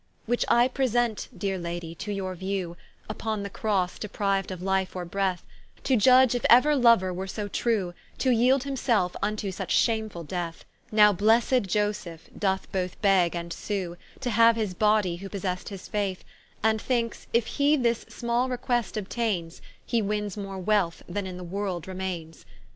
Which I present (deare Lady) to your view, Vpon the Crosse depriu'd of life or breath, To judge if euer Louer were so true, To yeeld himselfe vnto such shamefull death: Now blessed Ioseph doth both beg and sue, To haue his body who possest his faith, And thinkes, if he this small request obtaines, He wins more wealth than in the world remaines.